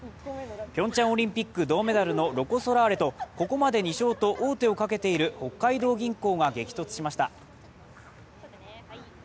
ピョンチャンオリンピック銅メダルのロコ・ソラーレとここまで２勝と王手をかけている北海道銀行が激突しました。